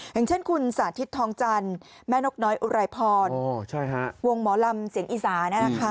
อย่างเช่นคุณสาธิตทองจันทร์แม่นกน้อยอุไรพรวงหมอลำเสียงอีสานะ